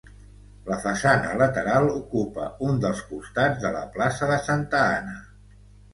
La façana lateral ocupa un dels costats de la plaça de Santa Anna.